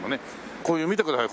こういう見てください。